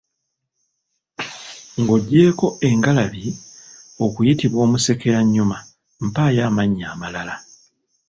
Ng'oggyeeko engalabi okuyitibwa omusekerannyuma, mpaayo amannya amalala?